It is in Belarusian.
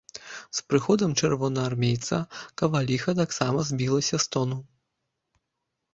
З прыходам чырвонаармейца каваліха таксама збілася з тону.